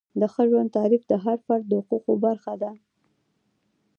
د ښه ژوند تعریف د هر فرد د حقوقو برخه ده.